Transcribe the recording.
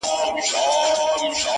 ستا تر ځوانۍ بلا گردان سمه زه;